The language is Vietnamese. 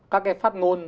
các cái phát ngôn